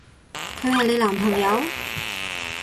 佢係你男朋友？